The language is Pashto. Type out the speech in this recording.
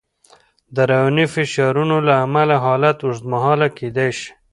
د رواني فشارونو له امله حالت اوږدمهاله کېدای شي.